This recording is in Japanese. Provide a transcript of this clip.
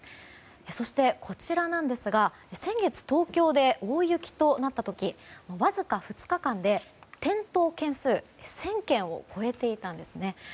そして、こちらなんですが先月、東京で大雪となった時、わずか２日間で転倒件数、１０００件を超えていたんですね。